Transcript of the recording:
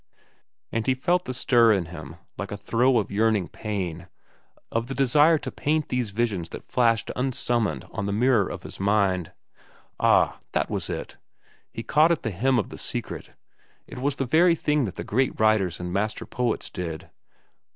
And he felt the stir in him, like a throe of yearning pain, of the desire to paint these visions that flashed unsummoned on the mirror of his mind. Ah, that was it! He caught at the hem of the secret. It was the very thing that the great writers and master poets did.